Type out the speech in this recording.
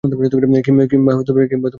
কিংবা এগুলো শিখে ফেলে।